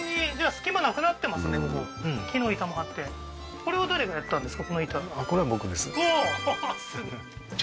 こここれは誰がやったんですか？